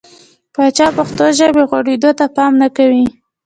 پاچا پښتو ژبې غوړېدو ته پام نه کوي .